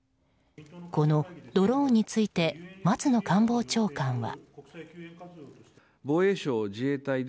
このドローンについて松野官房長官は。